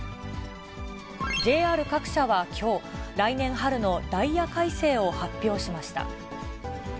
ＪＲ各社はきょう、来年春のダイヤ改正を発表しました。